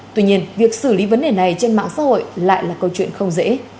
tuy nhiên việc xử lý vấn đề này trên mạng xã hội lại là câu chuyện không dễ